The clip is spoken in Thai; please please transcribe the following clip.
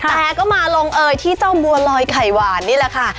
แต่ก็มาลงเอยที่เจ้าบัวลอยไข่หวานนี่แหละค่ะ